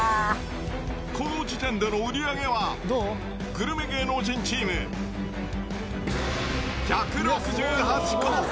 この時点での売り上げは、グルメ芸能人チーム、１６８個。